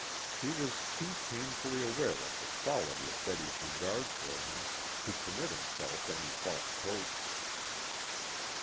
He was too painfully aware of the quality of Betty's regard for him to permit himself any false hopes.